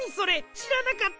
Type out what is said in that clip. しらなかった！